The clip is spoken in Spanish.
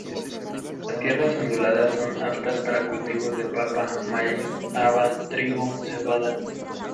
Las tierras onduladas son aptas para cultivos de papa, maíz, haba, trigo, cebada.